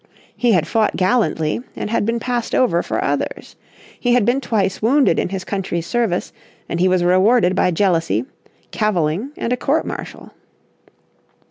He had fought gallantly, and had been passed over for others. He had been twice wounded in his country's service, and he was rewarded by jealousy, caviling, and a court martial.